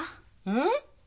うん？